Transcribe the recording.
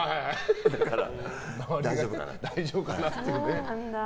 だから大丈夫だなっていう。